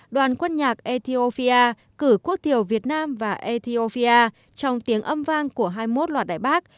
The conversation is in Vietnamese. đoàn quân nhạc ethiophia cử quốc thiểu việt nam và ethiopia trong tiếng âm vang của hai mươi một loạt đại bác